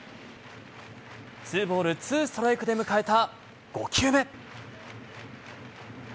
ツーボールツーストライクで迎えた５球目。